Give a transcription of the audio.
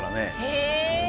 へえ。